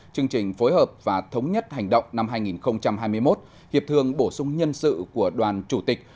chương trình phối hợp và thống nhất hành động năm hai nghìn hai mươi một hiệp thương bổ sung nhân sự của đoàn chủ tịch